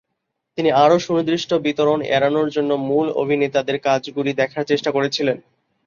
তিনি আরও সুনির্দিষ্ট বিতরণ এড়ানোর জন্য মূল অভিনেতাদের কাজগুলি দেখার চেষ্টা করেছিলেন।